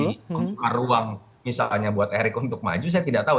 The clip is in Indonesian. membuka ruang misalnya buat erick untuk maju saya tidak tahu